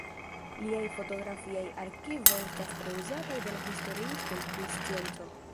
Liaj fotografiaj arkivo estas tre uzataj de historiistoj pri scienco.